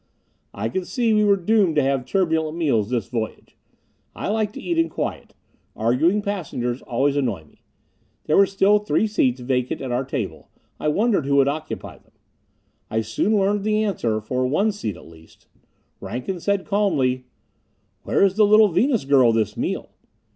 I could see we were doomed to have turbulent meals this voyage. I like to eat in quiet; arguing passengers always annoy me. There were still three seats vacant at our table; I wondered who would occupy them. I soon learned the answer for one seat at least. Rankin said calmly: "Where is the little Venus girl this meal?"